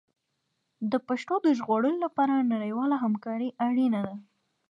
د پښتو د ژغورلو لپاره نړیواله همکاري اړینه ده.